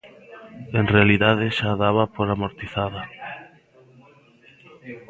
En realidade xa a daba por amortizada.